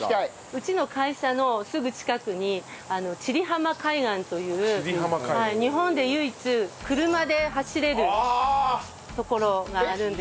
うちの会社のすぐ近くに千里浜海岸という日本で唯一車で走れる所があるんです。